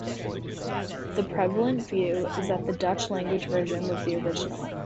The prevalent view is that the Dutch-language version was the original.